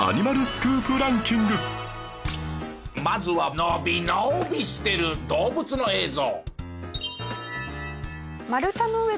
まずはのびのびしている動物の映像。